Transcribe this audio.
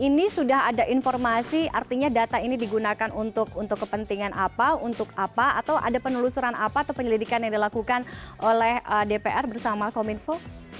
ini sudah ada informasi artinya data ini digunakan untuk kepentingan apa untuk apa atau ada penelusuran apa atau penyelidikan yang dilakukan oleh dpr bersama kominfo